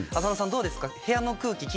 どうですか？